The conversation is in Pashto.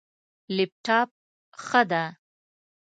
لپټاپ، ښه ده